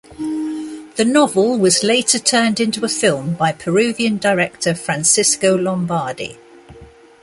The novel was later turned into a film by Peruvian director Francisco Lombardi.